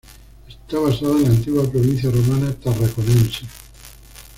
Está basada en la antigua provincia romana Tarraconense.